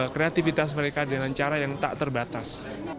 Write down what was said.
kreativitas mereka dengan cara yang tak terbatas